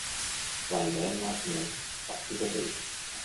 Play Man Like Me by heather b.